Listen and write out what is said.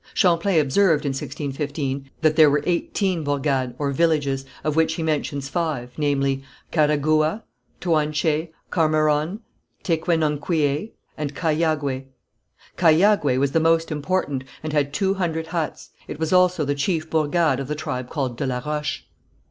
Champlain observed, in 1615, that there were eighteen bourgades or villages, of which he mentions five, namely: Carhagouha, Toanché, Carmeron, Tequenonquiayé and Cahiagué. Cahiagué was the most important, and had two hundred huts; it was also the chief bourgade of the tribe called de la Roche.